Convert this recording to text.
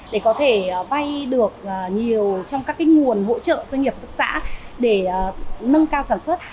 để có thể vay được nhiều trong các nguồn hỗ trợ doanh nghiệp hợp tác xã để nâng cao sản xuất